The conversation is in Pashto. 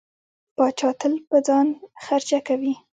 پاچا تل په ځان خرچه کوي.